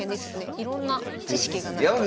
いろんな知識がないと。